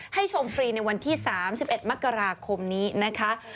ชมฟรีในวันที่๓๑มกราคมนี้นะคะ